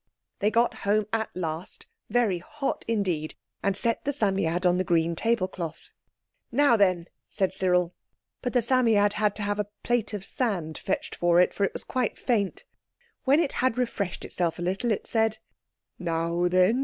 They got home at last, very hot indeed, and set the Psammead on the green tablecloth. "Now then!" said Cyril. But the Psammead had to have a plate of sand fetched for it, for it was quite faint. When it had refreshed itself a little it said— "Now then!